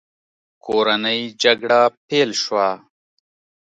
کورنۍ جګړه پیل شوه.